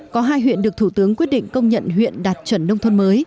có hai huyện được thủ tướng quyết định công nhận huyện đạt chuẩn nông thôn mới